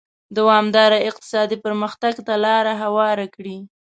دوامداره اقتصادي پرمختګ ته لار هواره کړي.